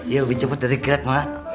ya lebih cepat dari grade mah